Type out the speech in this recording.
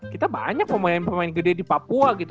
kita banyak pemain pemain gede di papua gitu